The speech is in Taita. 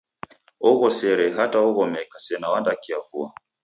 Waghosere hata oghomeka sena wandakiavua.